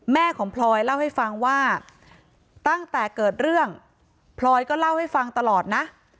แม่ของพลอยเล่าให้ฟังว่าตั้งแต่เกิดเรื่องพลอยก็เล่าให้ฟังตลอดนะ